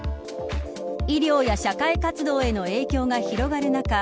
医療や社会活動への影響が広がる中